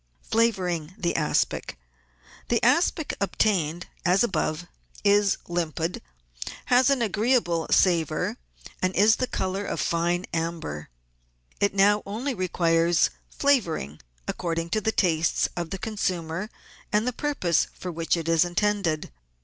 Flavouring the Aspic. — The aspic obtained as above is limpid, has an agreeable savour, and is the colour of fine amber. It now only requires flavouring according to the tastes of the consumer and the purpose for which it is intended.